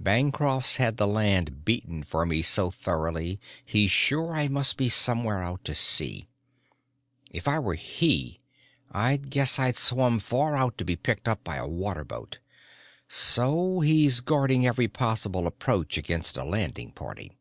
Bancroft's had the land beaten for me so thoroughly he's sure I must be somewhere out to sea. If I were he I'd guess I'd swum far out to be picked up by a waterboat. So he's guarding every possible approach against a landing party."